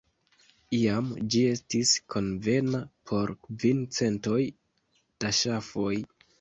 Iam ĝi estis konvena por kvin centoj da ŝafoj.